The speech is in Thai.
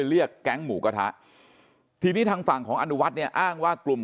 เรียกแก๊งหมูกระทะทีนี้ทางฝั่งของอนุวัฒน์เนี่ยอ้างว่ากลุ่ม